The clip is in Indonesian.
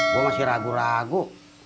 gue masih ragu ragu